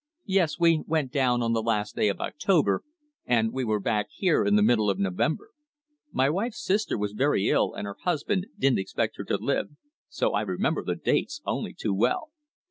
"Yes, we went down on the last day of October, and we were back here in the middle of November. My wife's sister was very ill, and her husband didn't expect her to live. So I remember the dates only too well."